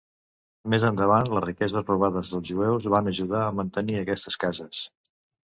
Més endavant, les riqueses robades dels jueus van ajudar a mantenir aquestes cases.